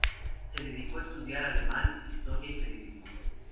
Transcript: Se dedicó a estudiar alemán, historia y periodismo.